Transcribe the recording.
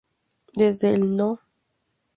Desde el No.